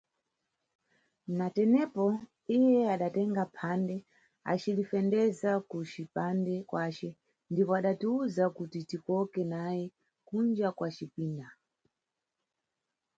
Na tenepo, iye adatenga phande acilifendeza ku cipande kwace ndipo adatiwuza kuti ticoke naye kunja kwa cipinda.